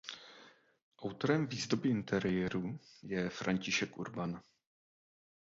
Autorem výzdoby interiéru je František Urban.